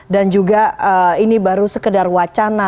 dan juga ini baru sekedar wacana